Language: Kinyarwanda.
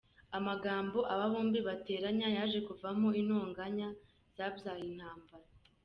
Amagambo aba bombi bateranye yaje kuvamo intonganya zabyaye intambara.